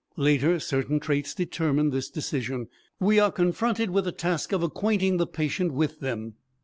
Later certain traits determine this decision; we are confronted with the task of acquainting the patient with them.